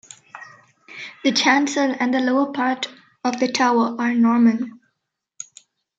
The chancel and the lower part of the tower are Norman.